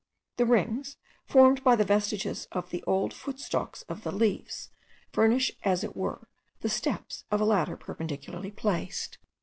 The rings, formed by the vestiges of the old footstalks of the leaves, furnish as it were the steps of a ladder perpendicularly placed.